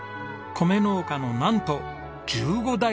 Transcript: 米農家のなんと１５代目です。